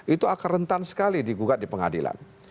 itu akan rentan sekali digugat di pengadilan